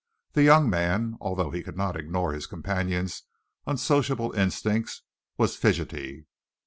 The young man, although he could not ignore his companion's unsociable instincts, was fidgety.